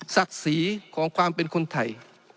ศักดิ์ศรีของความเป็นคนไทย